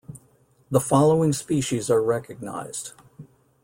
The following species are recognized.